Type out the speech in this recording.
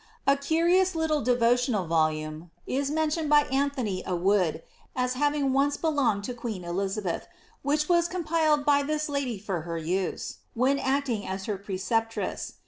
A curious little devotional volume is mentioned by Anthony a Wood, as having once belonged to queen Eliza beihy which was compiled by this lady for her use, when acting a^ her preceptress.